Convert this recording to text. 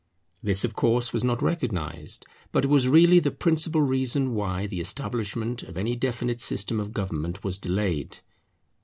This of course was not recognized, but it was really the principal reason why the establishment of any definite system of government was delayed.